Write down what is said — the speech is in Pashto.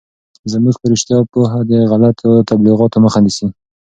زموږ په رشتیا پوهه د غلطو تبلیغاتو مخه نیسي.